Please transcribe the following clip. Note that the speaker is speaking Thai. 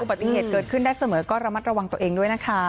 ปฏิเหตุเกิดขึ้นได้เสมอก็ระมัดระวังตัวเองด้วยนะคะ